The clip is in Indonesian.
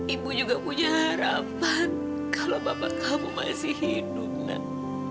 ibu juga punya harapan kalau bapak kamu masih hidup mbak